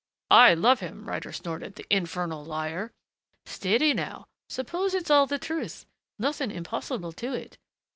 "I love him," Ryder snorted. "The infernal liar " "Steady now suppose it's all the truth? Nothing impossible to it.